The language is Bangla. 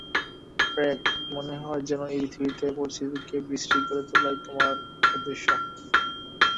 গ্রেগ, মনে হয় যেন এই পৃথিবীতে পরিস্থিতিকে বিশ্রী করে তোলাই তোমার উদ্দেশ্য।